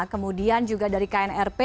kemudian juga dari knrp